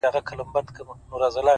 o زما په خيال هري انجلۍ ته گوره؛